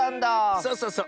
そうそうそう。